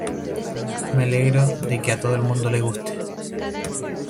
Me alegro de que a todo el mundo le guste".